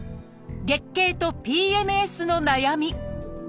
「月経」と「ＰＭＳ」の悩み。